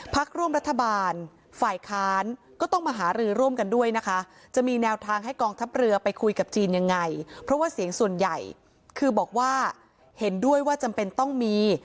พักร่วมรัฐบาลฝ่ายค้านก็ต้องมาหารือร่วมกันด้วยนะคะจะมีแนวทางให้กองทัพเรือไปคุยกับจีนยังไงเพราะว่าเสียงส่วนใหญ่คือบอกว่าเห็นด้วยว่าจำเป็นต้องมี